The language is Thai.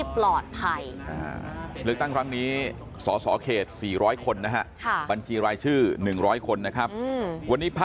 การสอบส่วนแล้วนะ